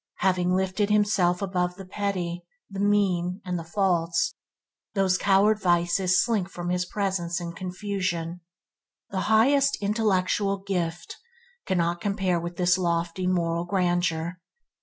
Having lifted himself above the petty, the mean, and the false, those coward vices slink from his presence in confusion. The highest intellectual gift cannot compare with this lofty moral grandeur.